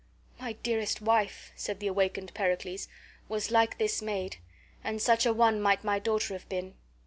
"My dearest wife," said the awakened Pericles, "was like this maid, and such a one might my daughter have been.